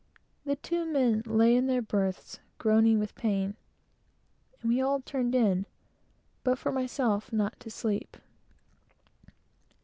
The two men lay in their berths, groaning with pain, and we all turned in, but for myself, not to sleep.